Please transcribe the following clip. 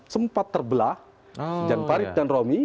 sempat terbelah jan farid dan romi